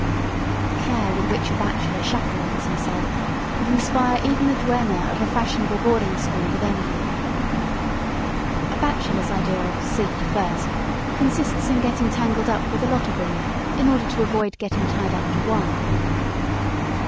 The care with which a bachelor chaperones himself would inspire even the duenna of a fashionable boarding school with envy. A bachelor's idea of "safety first" consists in getting tangled up with a lot of women in order to avoid getting tied up to one.